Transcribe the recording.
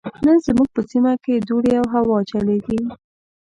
نن زموږ په سيمه کې دوړې او هوا چليږي.